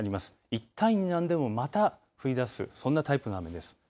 いったんやんでもまた降り出すそんなタイプの雨です。